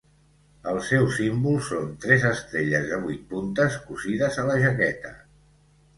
El seu símbol són tres estrelles de vuit puntes cosides a la jaqueta.